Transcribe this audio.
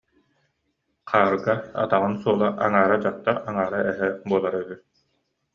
Хаарга атаҕын суола аҥаара дьахтар, аҥаара эһэ буолара үһү